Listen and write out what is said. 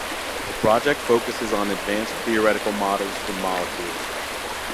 The project focuses on advanced theoretical models for molecules.